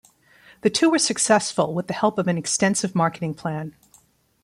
The two were successful with the help of an extensive marketing plan.